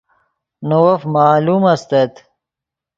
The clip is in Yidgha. نے وف معلوم استت